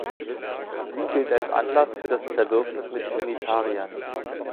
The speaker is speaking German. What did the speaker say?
Sie gilt als Anlass für das Zerwürfnis mit den Unitariern.